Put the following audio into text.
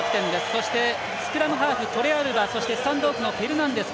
そして、スクラムハーフトレアルバ、フェルナンデス。